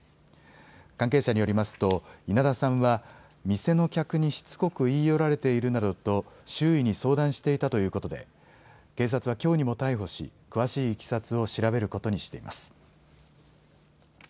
関係者によりますと稲田さんは店の客にしつこく言い寄られているなどと周囲に相談していたということで警察はきょうにも逮捕し詳しいいきさつを調べることにしています。